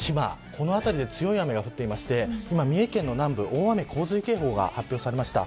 この辺りで強い雨が降っていまして今、三重県の南部大雨洪水警報が発表されました。